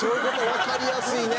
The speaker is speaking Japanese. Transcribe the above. わかりやすいね！